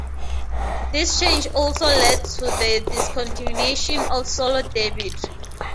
This change also led to the discontinuation of Solo debit cards.